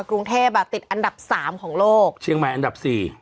กรุงเทพฯติดอันดับ๓ของโลกเชียงใหม่อันดับ๔